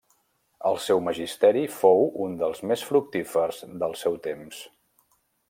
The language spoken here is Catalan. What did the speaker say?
El seu magisteri fou un dels més fructífers del seu temps.